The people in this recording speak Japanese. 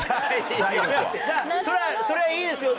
それはいいですよ。